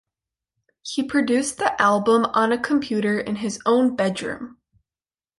He produced the album on a computer in his own bedroom.